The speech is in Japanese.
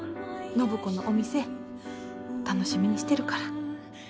暢子のお店楽しみにしてるから。